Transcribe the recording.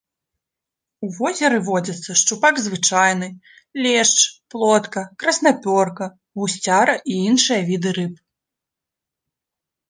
У возеры водзяцца шчупак звычайны, лешч, плотка, краснапёрка, гусцяра і іншыя віды рыб.